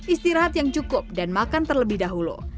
istirahat yang cukup dan makan terlebih dahulu